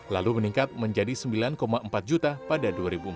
lalu meningkat menjadi sembilan empat juta pada dua ribu empat belas